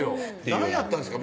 何やったんですか？